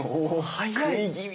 食い気味！